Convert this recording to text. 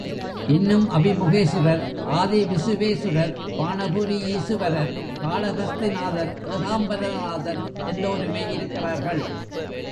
இன்னும் அபிமுகேசுரர், ஆதி விசுவேசுரர், பாணபுரி ஈசுவரர், காளகஸ்திநாதர், ஏகாம்பர நாதர் எல்லோருமே இருக்கிறார்கள்.